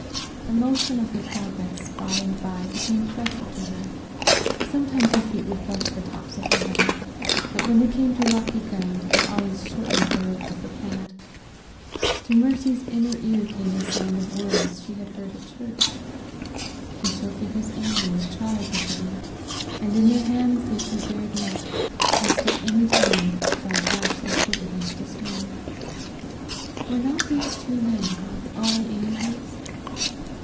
The motion of her progress by and by became pleasant to her. Sometimes her feet would brush the tops of the heather; but when they came to rocky ground, they always shortened the loop of the plaid. To Mercy's inner ear came the sound of words she had heard at church: "He shall give his angels charge over thee, and in their hands they shall bear thee up, lest at any time thou dash thy foot against a stone." Were not these two men God's own angels!